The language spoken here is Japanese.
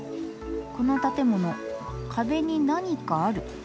この建物壁に何かある。